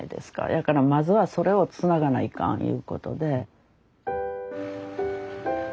やからまずはそれをつながないかんいうことで。